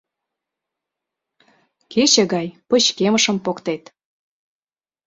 Кече гай, пычкемышым поктет